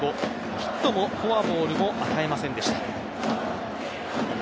ヒットもフォアボールも与えませんでした。